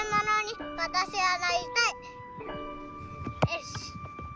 よし！